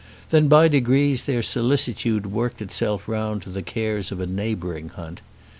Then by degrees their solicitude worked itself round to the cares of a neighbouring hunt.